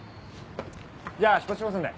じゃあ出発しますんで。